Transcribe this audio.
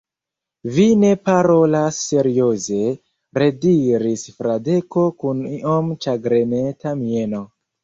Vi ne parolas serioze, rediris Fradeko kun iom ĉagreneta mieno.